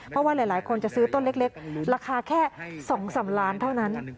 เพราะว่าหลายคนจะซื้อต้นเล็กราคาแค่๒๓ล้านเท่านั้น